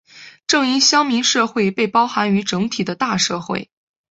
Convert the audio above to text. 正因乡民社会被包含于整体的大社会。